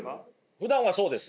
ふだんはそうです。